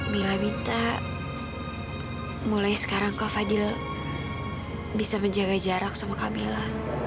mila minta mulai sekarang kau fadil bisa menjaga jarak sama kak mila